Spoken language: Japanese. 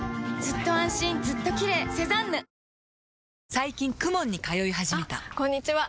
最近 ＫＵＭＯＮ に通い始めたあこんにちは！